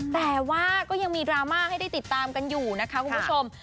แต่ว่าก็ยังมีดราม่าให้ได้ติดตามกันอยู่นะคะคุณผู้ชม